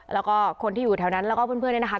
แล้วก็คนที่อยู่แถวนั้นแล้วก็เพื่อนเนี่ยนะคะ